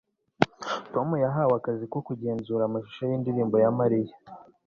Tom yahawe akazi ko kugenzura amashusho yindirimbo ya Mariya